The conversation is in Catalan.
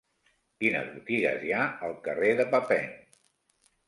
Quines botigues hi ha al carrer de Papin?